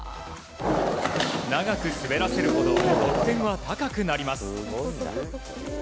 長く滑らせるほど得点は高くなります。